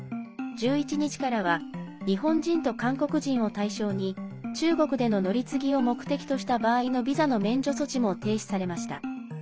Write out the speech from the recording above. １１日からは日本人と韓国人を対象に中国での乗り継ぎを目的とした場合のビザの免除措置も停止されました。